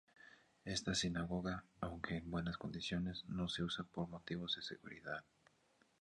Esta sinagoga, aunque en buenas condiciones, no se usa por motivos de seguridad.